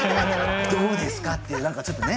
どうですかっていう何かちょっとね。